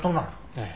ええ。